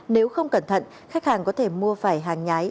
nếu không cẩn thận khách hàng có thể mua phải hàng nhái